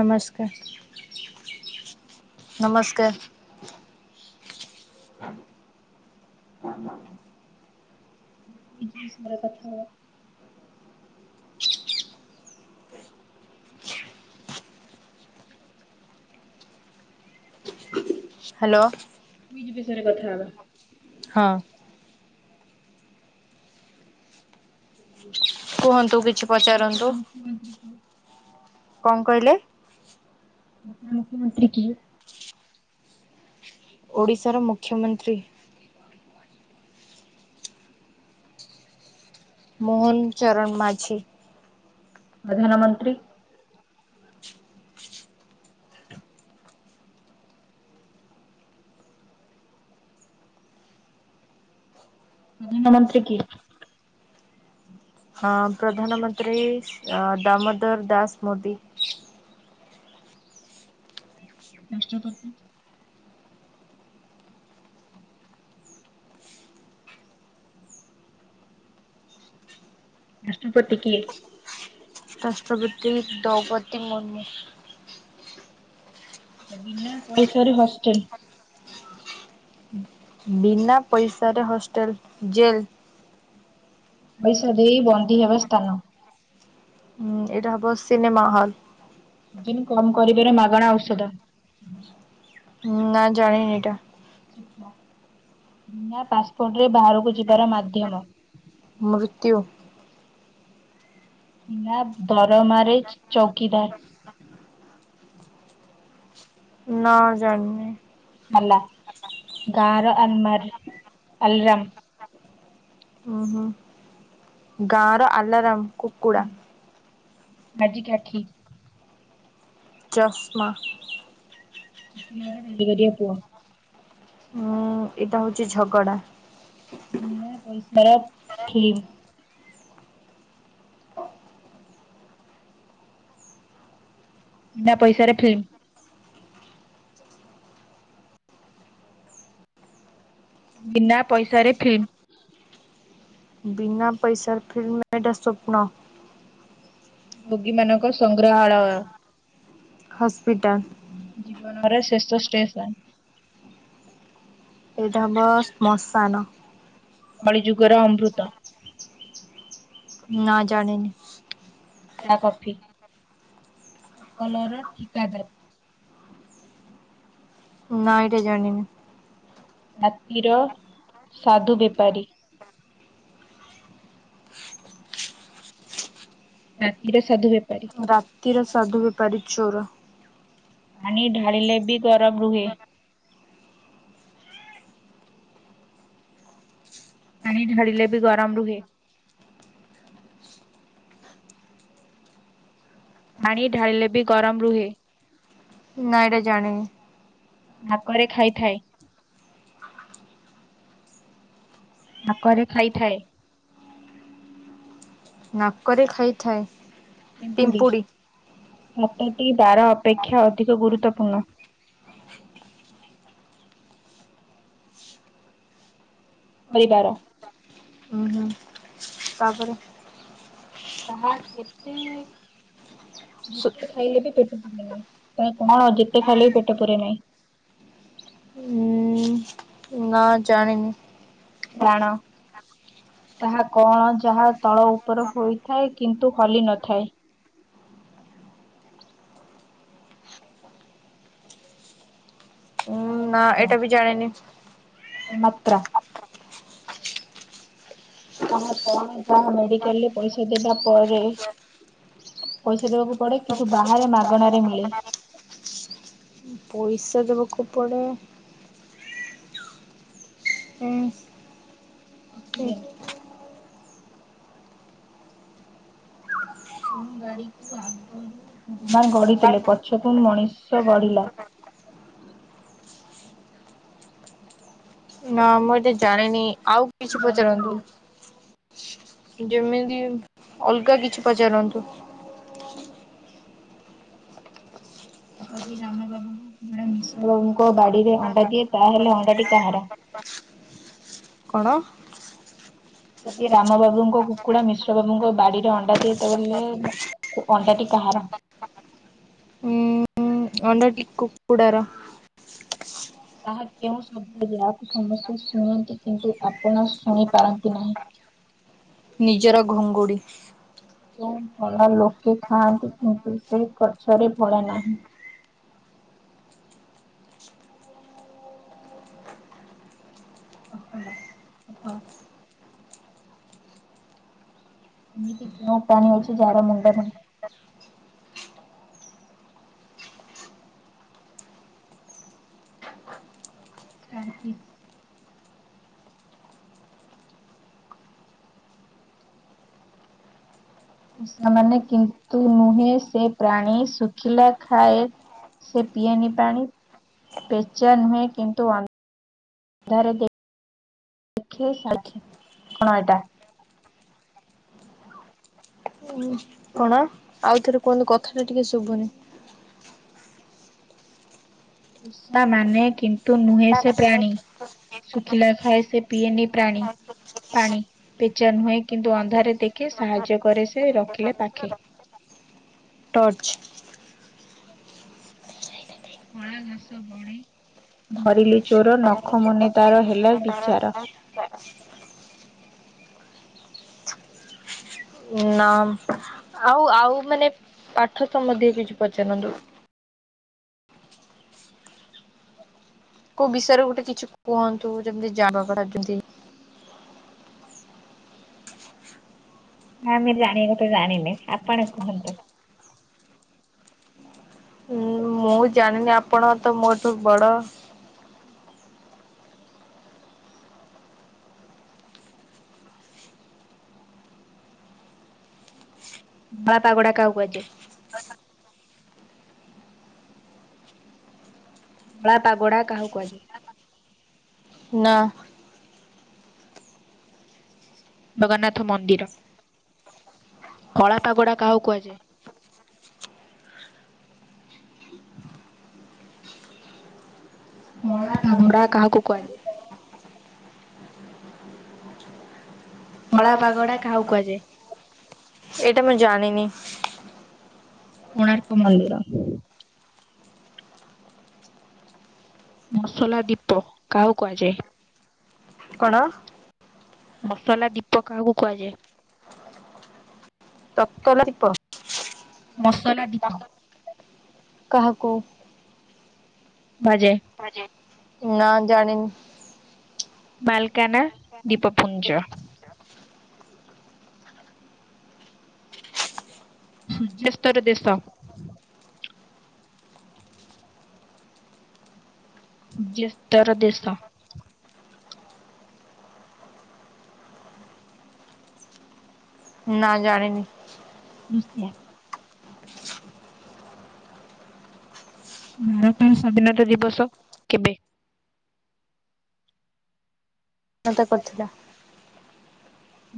ନମସ୍କାର ନମସ୍କାର। ଜିନିଷରେ କଥା। ହ୍ୟାଲୋ। କୁଇଜ୍ ବିଷୟରେ କଥା ହବା। ହଁ। କୁହନ୍ତୁ କିଛି ଓଡିଶାର ପଚାରନ୍ତୁ ମୁଖ୍ୟମନ୍ତ୍ରୀ କିଏ? କଣ କହିଲେ। ମୁଖ୍ୟମନ୍ତ୍ରୀ କିଏ? ଓଡ଼ିଶାର ମୁଖ୍ୟମନ୍ତ୍ରୀ। ମୋହନ ଚରଣ ମାଝୀ। ପ୍ରଧାନମନ୍ତ୍ରୀ। ପ୍ରଧାନମନ୍ତ୍ରୀ କିଏ? ହଁ ପ୍ରଧାନମନ୍ତ୍ରୀ ଦାମୋଦର ଦାସ ମୋଦି। ରାଷ୍ଟ୍ରପତି? ରାଷ୍ଟ୍ରପତି କିଏ? ରାଷ୍ଟ୍ରପତି ଦୌପଦୀ ମୁର୍ମୁ। ବିନା ପଇସାରେ ହଷ୍ଟେଲ। ବିନା ପଇସାରେ ହଷ୍ଟେଲ ଜେଲ। ପଇସା ଦେଇ ବନ୍ଦୀ ହେବା ସ୍ଥାନ। ହୁଁ ଏଇଟା ହବ ସିନେମା ହଲ। ଜିମ୍ କମ୍ କରିବାରେ ମାଗଣା ଔଷଧ। ହୁଁ ନା ଜାଣିନି ଏଇଟା। ବିନା ପାସ୍ପୋର୍ଟରେ ବାହାରକୁ ଯିବାର ମାଧ୍ୟମ। ମୃତ୍ୟୁ। ବିନା ଦରମାରେ ଚୌକିଦାର। ନା ଜାଣିନି। ଆଲା ଗାର ଆଲତ୍ମାରି ଆଲରାମ୍। ଓହୋ। ଗାଁ ର ଆଲାରାମ୍। ହୁଁ ଆଜି [unintelligible] ଚଷ୍ମା। ଓକିଲର ରୋଜ୍ ଗାରିଆ ପୁଅ। ହଁ ଏଇଟା ହୋଉଚି ଝଗଡା। ବିନା ପଇସାର ଫିଲ୍ମ୍। ବିନା ପଇସାରେ ଫିଲ୍ମ। ବିନା ପଇସାରେ ଫିଲ୍ମ। ବିନା ପଇସାରେ ଫିଲ୍ମ ଏଟା ସ୍ୱପ୍ନ। ଭୋଗୀ ମାନଙ୍କ ସଂଗ୍ରାହାଳୟ। ହସ୍ପିଟାଲ୍। ଜୀବନର ଶେଷ ଷ୍ଟେସନ୍। ଏଇଟା ହବ ଶ୍ମଶାନ। କଳି ଯୁଗର ଅମୃତ। ନା ଜାଣନି। ଚା, କଫି କଲର୍ର ଠିକା ଦାର୍। ନା ଏଇଟା ଜାଣିନି। ରାତିର ସାଧୁ ବେପାରୀ। ରାତିରେ ସାଧୁ ବେପାରୀ। ରାତିର ସାଧୁ ବେପାରୀ ଚୋର। ପାଣି ଢାଳିିଲେ ବିି ଗରମ୍ ରୁହେ। ପାଣି ଢାଳିଲେ ବି ଗରମ୍ ରୁହେ। ପାଣି ଢାଳିଲେ ବି ଗରମ୍ ରୁହେ। ନାଁ ଏଇଟା ଜାଣିନି। ହାକରେ ଖାଇଥାଏ। ହାକରେ ଖାଇଥାଏ। ନାକରେ ଖାଇଥାଏ। ପିମ୍ପୁଡି। ପିମ୍ପୁଡ଼ି ସତଟି ତାର ଅପେକ୍ଷା ଅଧିକ ଗୁରୁତ୍ୱପୂର୍ଣ୍ଣ। ହୋଇବାର। ହଁ ହଁ। ତାପରେ ତାହା କେତେ ସୁ ଯେତେ ଖାଇଲେ ବି ପେଟ୍ [inaudible] ତାହା କଣ ଯେତେ ଖାଇଲେ ବି ପେଟ ପୁରେ ନାହିଁ? ଉଁ ନା ଜାଣିନି। ରାଣ। ତାହା କଣ ଯାହା ତଳ ଉପର ହୋଇଥାଏ କିନ୍ତୁ ହଲି ନଥାଏ? ନା ମାତ୍ରା ଏଟା ବି ଜାଣେନି। ମାତ୍ରା। ତା କଣ ଯା ମେଡିକାଲ ରେ ପଇସା ଦେବା ପରେ ପଇସା ଦେବାକୁ ପଡେ କିନ୍ତୁ ବାହାରେ ମାଗଣାରେ ମିଳେ। ପଇସା ଦେବାକୁ ପଡ଼େ ହୁଁ। ଯାଇ [unintelligible] କେଉ ଗାଡିକୁ ଆଗରୁ ଗଢିଥିଲେ ପଛକୁ ମଣିଷ ଗଢିଲା? ନା ମୁଁ ଏ ଟା ଜାଣିନି ଆଉ କିଛି ବଳଦ ପଚାରନ୍ତୁ? ଗାଡି ଯେମିତି ଅଲଗା କିଛି ପଚାରନ୍ତୁ। ଯଦି ରାମା ବାବୁଙ୍କୁ କୁକୁଡ଼ା ମିଶ୍ର ବାବୁଙ୍କ ବାଡିରେ ଅଣ୍ଡା ଦିଏ ତାହେଲେ ଅଣ୍ଡାଟି କାହାର। ବା। କଣ? ଯଦି ରାମ ବାବୁଙ୍କ କୁକୁଡା ମିଶ୍ର ବାବୁଙ୍କ ବାଡିରେ ଅଣ୍ଡା ଦିଏ ତାହେଲେ। ଅଣ୍ଡାଟି କାହାର। ହଁ ଅଣ୍ଡାଟି କୁକୁଡ଼ାର। ତାହା କେଉଁ ଶବ୍ଦ ଯାହାକୁ ସମସ୍ତେ ଶୁଣନ୍ତି କିନ୍ତୁ? ଆପଣ ଶୁଣି ପାରନ୍ତି ନାହିଁ? ନିଜର ଘୁଙ୍ଗୁଡ଼ି। କେଉଁ ଭଲ ଲୋକେ ଖାଆନ୍ତିୁ କିନ୍ତୁ ସେ ଗଛରେ ଭଲ ନାହିଁ? ସଫଲ ସଫଳ। ଏମିତି କିଣ ପାାଣି ଅଛି ଯାଡ ମୁଣ୍ଡ ବିନ୍ଧେ। ଚାର ଫି। ସେମାନେ କିନ୍ତୁ ନୁହେଁ? ସେ ପ୍ରାଣୀ ଶୁଖିଲା ଖାଏ। ସେ ପିଏନି ପାଣି ପେଚା ନୁହେଁ କିନ୍ତୁ ଅ ଦେ ଦେଖେ ସାଖି କଣ ଏଟା? [inaudible] କଣ? ଆଉଥରେ କୁହନ୍ତୁ କଥା ଟା ଟିକେ ଶୁଭୁନି। ତା ମାନେ କିନ୍ତୁ ନୁହେଁ ସେ ପ୍ରାଣୀ। ଶୁଖିଲା ଖାଏ ସେ ପିଏନି ପ୍ରାଣୀ। ପାଣି ପେଚା ନୁହେଁ କିନ୍ତୁ? ଅନ୍ଧାରେ ଦେଖେ ସାହାଯ୍ୟ କରେ ସେ ରଖିଲେ ପାଖେ। ଟର୍ଚ୍। ମା ଘାସବଣେ ଭରିଲି ଚୋର ନଖ ମୁନେ ତାର ହେଲା ବିଚାର। ନା ଆଉ ଆଉ ମାନେ ପାଠ ସମ୍ବନ୍ଧୀୟ କିଛି ପଚାରନ୍ତୁ। କୋଉ ବିଷୟରେ ଗୋଟେ କିଛି କୁହନ୍ତୁ ଯେମିତି ଜାବା [unintelligible] ହଁ ମୁଁ ଜାଣିନି ତ ଜାଣିନି ଆପଣ କୁହନ୍ତୁ। ମୁଁ ଜାଣିନି ଆପଣ ତ ମୋଠୁ ବଡ। ବାପା ଗୋଡା କାହାକୁ କୁହାଯାଏ। ବାପା ଗୋଡ଼ା କାହା କୁହାଯାଏ। ନା। ଜଗନ୍ନାଥ ମନ୍ଦିର କଳା ପାଗୋଡ଼ କାହାକୁ କୁହାଯାଏ। କଳା ପାଗୋଡା କାହାକୁ କୁହାଯାଏ। ଧଳା ପାଗୋଡା କହାକୁ କୁହାଯାଏ। ଏଇଟା ମୁଁ ଜାଣିନି? କୋଣାର୍କ ମନ୍ଦିର। ମସଲା ଦୀପ କାହା କୁହାଯାଏ। କଣ? ମସଲା ଦୀପ କାହାକୁ କୁହାଯାଏ। ତତଲା ଦୀପ ମସଲା ଡିପ। କାହାକୁ। ବାଜେ। ବାଜେ ନା ଜାଣିନି। ମାଲକାନା ଦୀପପୁଞ୍ଜ। ସୂର୍ଯ୍ୟସ୍ତର ଦେଶ। ସୂର୍ଯ୍ୟସ୍ତର ଦେଶ। ନା ଜାଣିନି। [unintelligible] ଭାରତର ସ୍ଵାଧୀନତା ଦିବସ କେବେ? ଉନତା କରିଥିଲା।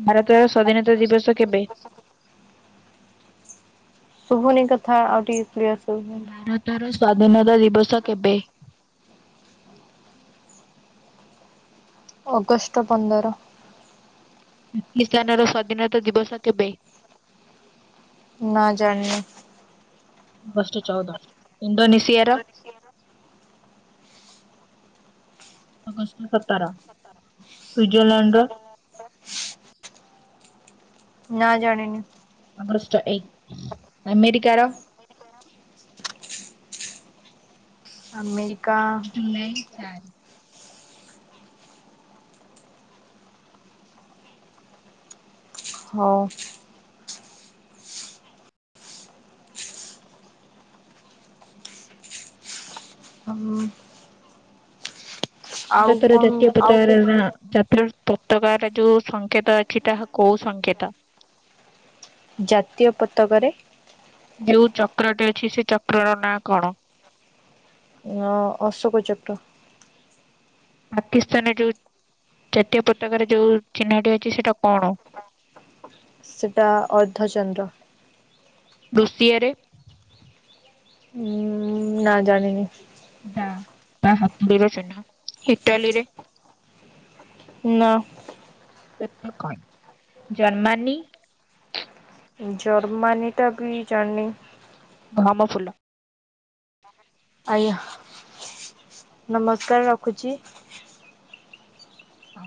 ଭାରତର ସ୍ଵାଧୀନତା ଦିବସ କେବେ? ଶୁଭୁନି କଥା ଆଉ ଟିକେ କ୍ଲିୟର। ଶୁଭୁନି। ଭାରତର ସ୍ଵାଧୀନତା ଦିବସ କେବେ? ଅଗଷ୍ଟ ପନ୍ଦର। ପାକିସ୍ତାନ ର ସ୍ଵାଧୀନତା ଦିବସ କେବେ? ନା ଜାଣିନି। ଅଗଷ୍ଟ ଚଉଦ, ଇଣ୍ଡୋନେସିଆର? ଅଗଷ୍ଟ ସତର, ସୁଇଜରଲ୍ୟାଣ୍ଡ ର? ନା ଜାଣିନି। ଅଗଷ୍ଟ ଏକ, ଆମେରିକାର? ଆମେରି ଜୁଲାଇ ଚାରି। ହଁ। ହଁ। ଆଉ ଭାରତର କଣ ଜତୀୟ ଆଉ ପତାକା ର କୋଉ ନାଁ [unintelligible] ପତକା ରେ ଯୋଉ ସଂଙ୍କେତ ଅଛି ତାହା କୋଉ ସଂଙ୍କେତ? ଜାତୀୟ ପତକାରେ ଯୋଉ ଚକ୍ରଟି ଅଛି ସେ ଚକ୍ର ର ନାଁ କଣ? ଅ ଅଶୋକ ଚକ୍ର। ପାକିସ୍ତାନରେ ଯୋଉ ଜାତୀୟ ପତାକାରେ ଯୋଉ ଚିହ୍ନଟି ଅଛି ସେଇଟା କଣ? ସେଇଟା ଅର୍ଦ୍ଧଚନ୍ଦ୍ର। ଋଷିଆରେ? ଉଁ ନା ଜାଣିନି। ତା ହାତୁଡିର ସେଠା, ଇଟାଲୀରେ? ନା। [unintelligible] ଜର୍ମାନୀ? ଜର୍ମାନୀଟା ବି ଜାଣନି। ଗହମ ଫୁଲ। ଆଜ୍ଞା ନମସ୍କାର ରଖୁଛି। ହଁ।